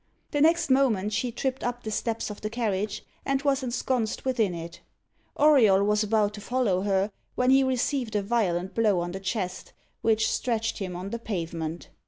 The next moment she tripped up the steps of the carriage, and was ensconced within it. Auriol was about to follow her, when he received a violent blow on the chest, which stretched him on the pavement.